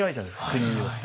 国によって。